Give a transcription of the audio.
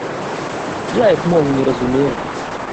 Я іх мову не разумею.